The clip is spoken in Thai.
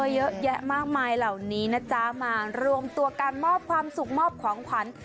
เยอะแยะมากมายเหล่านี้นะจ๊ะมารวมตัวการมอบความสุขมอบของขวัญ